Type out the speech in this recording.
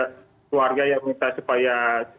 keluarga yang minta supaya